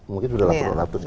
mungkin sudah beratus ratus kilo